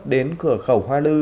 đến cửa khẩu hoa lư